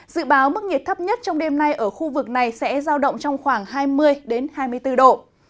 dự báo mức nhiệt thấp nhất trong đêm nay ở khu vực này sẽ giao động trong khoảng hai mươi hai mươi bốn độ